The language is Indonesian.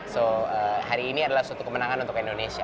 jadi hari ini adalah suatu kemenangan untuk indonesia